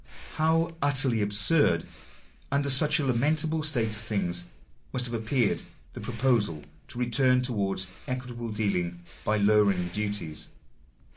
How utterly absurd, under such a lamentable state of things, must have appeared the proposal to return towards equit able dealing by lowering the duties